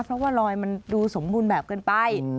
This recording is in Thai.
เพราะว่าลอยมันดูสมบูรณ์แบบเกินไป